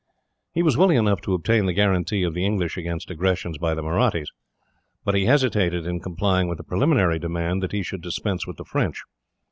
He was willing enough to obtain the guarantee of the English against aggressions by the Mahrattis, but he hesitated in complying with the preliminary demand that he should dispense with the French.